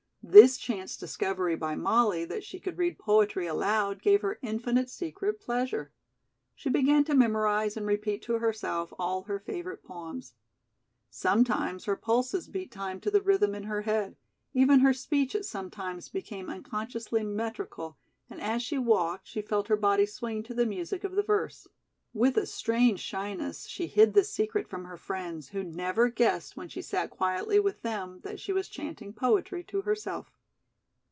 This chance discovery by Molly that she could read poetry aloud gave her infinite secret pleasure. She began to memorize and repeat to herself all her favorite poems. Sometimes her pulses beat time to the rhythm in her head; even her speech at such times became unconsciously metrical, and as she walked she felt her body swing to the music of the verse. With a strange shyness she hid this secret from her friends, who never guessed when she sat quietly with them that she was chanting poetry to herself.